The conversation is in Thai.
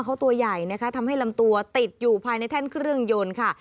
เขาตัวใหญ่นะคะทำให้ลำตัวติดอยู่ภายในแท่นเครื่องยนต์ค่ะ